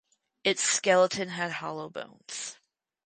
Its skeleton had hollow bones.